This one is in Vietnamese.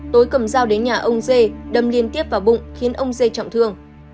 tối cầm dao đến nhà ông dê đâm liên tiếp vào bụng khiến ông dê trọng thương